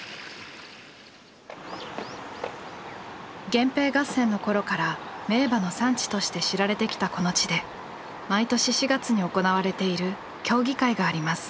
源平合戦の頃から名馬の産地として知られてきたこの地で毎年４月に行われている競技会があります。